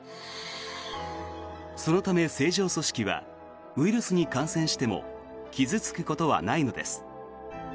そのため、正常組織はウイルスに感染しても傷付くことはないのです。